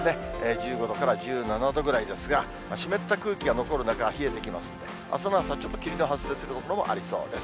１５度から１７度ぐらいですが、湿った空気が残る中、冷えてきますんで、あすの朝はちょっと霧が発生するおそれもありそうです。